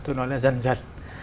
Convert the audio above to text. tôi nói là dần dần